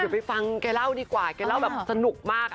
เดี๋ยวไปฟังแกเล่าดีกว่าแกเล่าแบบสนุกมาก